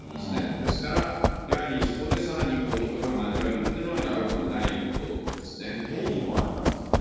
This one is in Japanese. ですから、やはりそこでさらに人が交わるっていうのは、よくない変異もありますもんね。